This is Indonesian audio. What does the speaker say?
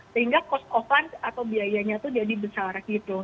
sehingga cost of fund atau biayanya itu jadi besar gitu